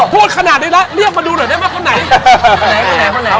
พูดขนาดนี้แล้วเรียกมาดูหน่อยได้ไหมคนไหน